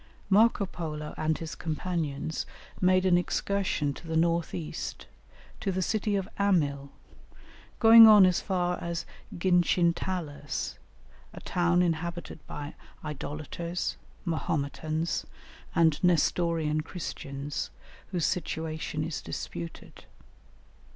Marco Polo and his companions made an excursion to the north east, to the city of Amil, going on as far as Ginchintalas, a town inhabited by idolaters, Mahometans, and Nestorian Christians, whose situation is disputed.